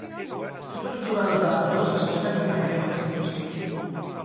Dos petits jugadors de lacrosse escolten mentre reben instruccions.